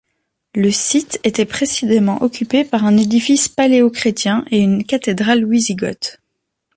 Le site était précédemment occupée par un édifice paléo-chrétien et une cathédrale wisigothe.